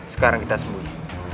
sekarang kita sembunyi